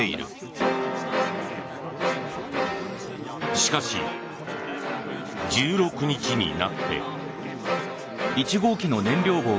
しかし、１６日になって。